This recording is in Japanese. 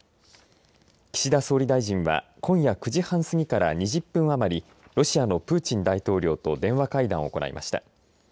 岸田総理大臣は今夜９時半すぎから２０分余りロシアのプーチン大統領と電話会談を行いました。